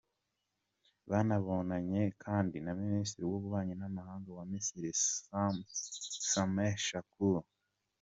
Banabonanye kandi na Minisitiri w’Ububanyi n’amahanga wa Misiri, Sameh Shoukry.